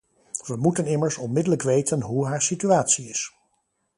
We moeten immers onmiddellijk weten hoe haar situatie is.